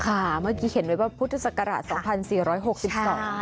เมื่อกี้เห็นไว้ว่าพุทธศักราชสองพันสี่ร้อยหกสิบสอง